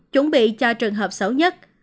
chuẩn bị cho trường hợp xấu nhất